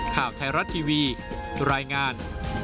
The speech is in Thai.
ข่าวไทยรัฐทีวีรายงาน